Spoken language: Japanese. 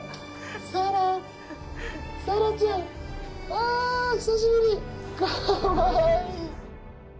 あ久しぶり！